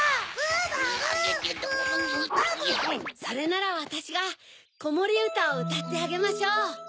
それならわたしがこもりうたをうたってあげましょう！